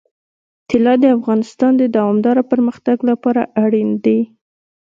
طلا د افغانستان د دوامداره پرمختګ لپاره اړین دي.